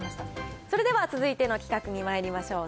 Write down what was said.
それでは、続いての企画にまいりましょう。